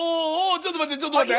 ちょっと待ってちょっと待って。